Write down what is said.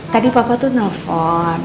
tadi papa tuh nelfon